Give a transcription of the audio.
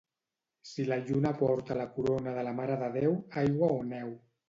Si la lluna porta la corona de la Mare de Déu, aigua o neu.